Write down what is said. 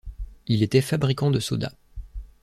Il était fabricant de sodas.